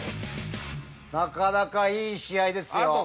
なかなかいい試合ですよ。